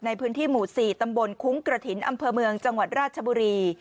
ในพื้นที่หมู่๔ตำบลคุ้งกระถิ่นอำเภอเมืองจังหวัดราชบุรี